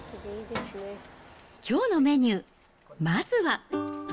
きょうのメニュー、まずは。